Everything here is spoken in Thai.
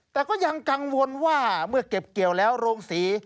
แต่ก็ยังกังวลว่าเมื่อเก็บเกี่ยวแล้วโรงศรี